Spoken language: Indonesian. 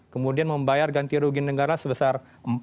kemudian membayar ganti rugi negara sebesar empat belas lima belas